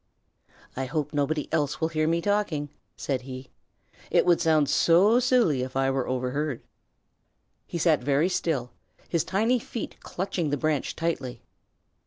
"I hope nobody else will hear me talking," said he. "It would sound so silly if I were overheard." He sat very still, his tiny feet clutching the branch tightly.